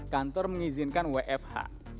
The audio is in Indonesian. kantor mengizinkan wfh